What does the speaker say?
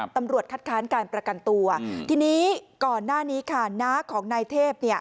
ตำรวจคัดค้านการประกันตัวทีนี้ก่อนหน้านี้ค่ะน้าของนายเทพเนี่ย